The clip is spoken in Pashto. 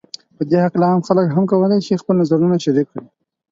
په دې هکله عام خلک هم کولای شي خپل نظرونو شریک کړي